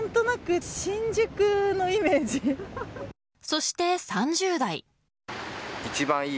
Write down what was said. そして３０代。